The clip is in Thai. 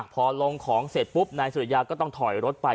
พอลงของเสร็จปุ๊บนายสุริยาก็ต้องถอยรถไป